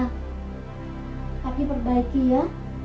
hati perbaiki ya